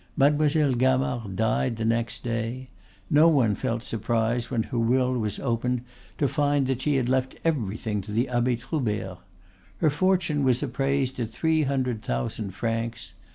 Mademoiselle Gamard died the next day. No one felt surprised when her will was opened to find that she had left everything to the Abbe Troubert. Her fortune was appraised at three hundred thousand francs.